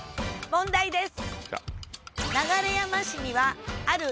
問題です。